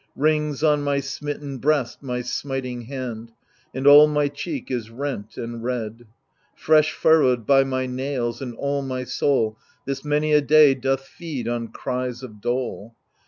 Rings on my smitten breast my smiting hand, And all my cheek is rent and red. Fresh furrowed by my nails, and all my soul This many a day doth feed on cries of dole.